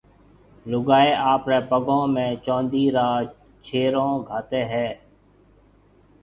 لوگائيَ آپريَ پگون ۾ چوندِي را ڇيرون گھاتيَ ھيَََ